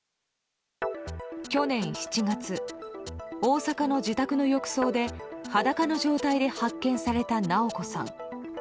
去年７月、大阪の自宅の浴槽で裸の状態で発見された直子さん。